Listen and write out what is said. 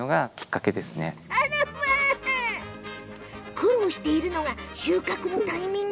苦労しているのが収穫のタイミング。